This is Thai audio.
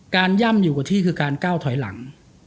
ย่ำอยู่กับที่คือการก้าวถอยหลัง